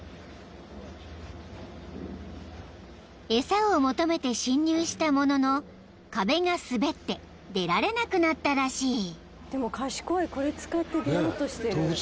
［餌を求めて侵入したものの壁が滑って出られなくなったらしい］